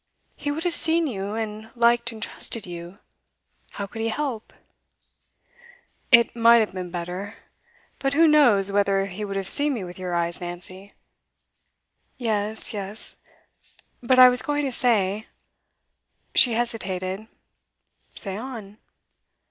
He would have seen you, and liked and trusted you how could he help?' 'It might have been better but who knows whether he would have seen me with your eyes, Nancy?' 'Yes, yes. But I was going to say ' She hesitated. 'Say on.